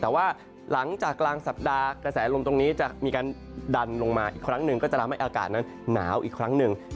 แต่ว่าหลังจากกลางสัปดาห์กระแสลมตรงนี้จะมีการดันลงมาอีกครั้งหนึ่งก็จะทำให้อากาศนั้นหนาวอีกครั้งหนึ่ง